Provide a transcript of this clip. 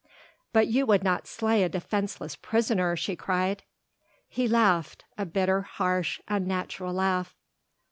"But you would not slay a defenceless prisoner," she cried. He laughed, a bitter, harsh, unnatural laugh.